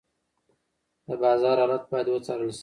د بازار حالت باید وڅارل شي.